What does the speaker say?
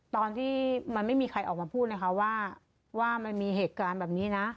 ตอนที่มันไม่มีใครออกมาพูดนะคะว่ามันมีเหตุการณ์แบบนี้นะ